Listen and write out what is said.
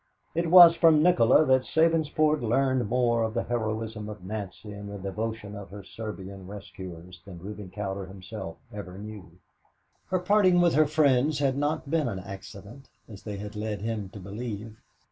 It was from Nikola that Sabinsport learned more of the heroism of Nancy and the devotion of her Serbian rescuers than Reuben Cowder himself ever knew. Her parting with her friends had not been an accident, as they had led him to believe.